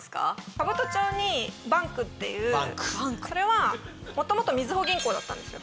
兜町にＢＡＮＫっていうそれはもともとみずほ銀行だったんですよ。